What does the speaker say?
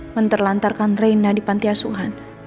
menterlantarkan reina di pantiasuhan